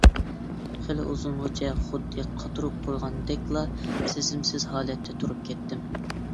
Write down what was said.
خېلى ئۇزۇنغىچە خۇددى قاتۇرۇپ قويغاندەكلا سېزىمسىز ھالەتتە تۇرۇپ كەتتىم.